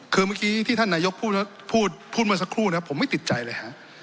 คือเมื่อกี้ที่ท่านนายกพูดเมื่อสักครู่นะผมไม่ติดใจเลยฮะ